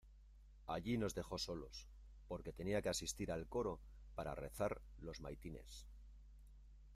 allí nos dejó solos, porque tenía que asistir al coro para rezar los maitines.